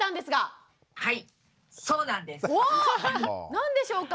何でしょうか？